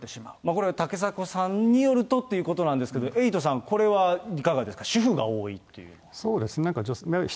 これは竹迫さんによるということなんですけれども、エイトさん、これはいかがですか、主婦が多いというのは。